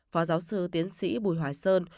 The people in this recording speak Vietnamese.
phó giáo sư tiến sĩ bùi hoài sơn